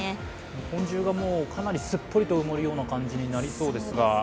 日本中がすっぽりと埋まるような感じになりそうですか。